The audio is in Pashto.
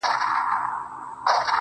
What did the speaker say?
و ماته عجيبه دي توري د ~